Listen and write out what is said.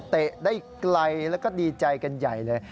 ได้ไกลแล้วก็ดีใจกันใหญ่เลย